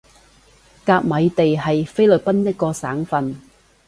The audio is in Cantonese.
甲米地係菲律賓一個省份